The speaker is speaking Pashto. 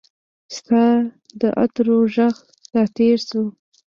ستا د عطرو ږغ راتیر سو